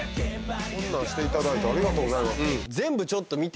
こんなんしていただいてありがとうございます